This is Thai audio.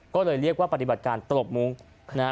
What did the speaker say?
ก็เลยเรียกว่าปฏิบัติการตลบมุ้งนะฮะ